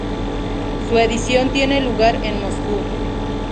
Su edición tiene lugar en Moscú.